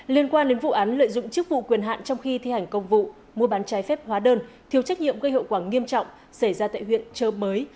liên quan đến vụ án lợi dụng chức vụ quyền hạn trong khi thi hành công vụ mua bán trái phép hóa đơn thiếu trách nhiệm gây hậu quả nghiêm trọng xảy ra tại huyện trợ mới